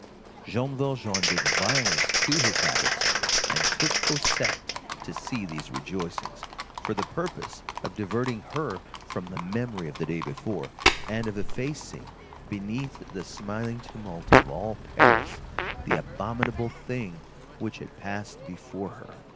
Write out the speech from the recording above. Jean Valjean did violence to his habits, and took Cosette to see these rejoicings, for the purpose of diverting her from the memory of the day before, and of effacing, beneath the smiling tumult of all Paris, the abominable thing which had passed before her.